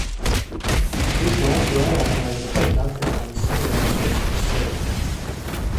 Šis laiks vairāk kā jebkad atgādina savienoties ar sevi.